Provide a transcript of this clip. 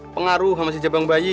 pengaruh sama si cabang bayi